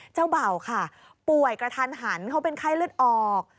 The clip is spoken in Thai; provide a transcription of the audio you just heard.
เบาค่ะป่วยกระทันหันเขาเป็นไข้เลือดออก